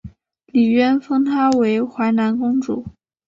李渊封她为淮南公主。